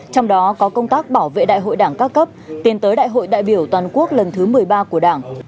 trong đó có công tác bảo vệ đại hội đảng các cấp tiến tới đại hội đại biểu toàn quốc lần thứ một mươi ba của đảng